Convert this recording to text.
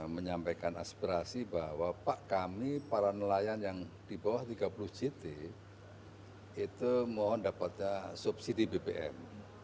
menyampaikan aspirasi bahwa pak kami para nelayan yang di bawah tiga puluh jt itu mohon dapatnya subsidi bbm